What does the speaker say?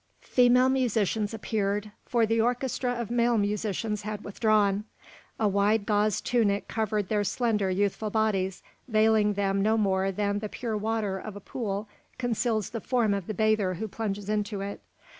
Female musicians appeared for the orchestra of male musicians had withdrawn. A wide gauze tunic covered their slender, youthful bodies, veiling them no more than the pure water of a pool conceals the form of the bather who plunges into it.